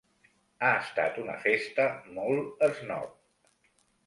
Ha estat una festa molt esnob.